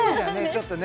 ちょっとね